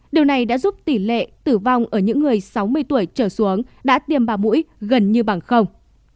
điều này đã giúp tỷ lệ tử vong ở những người sáu mươi tuổi trở xuống đã tiêm ba mũi gần như bằng không